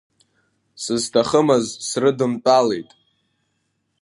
Сызҭахымыз срыдымтәалеит…